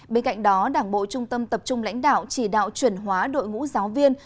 bên cạnh đó đảng bộ trung tâm tập trung lãnh đạo chỉ đạo chuyển hóa đội ngũ giáo viên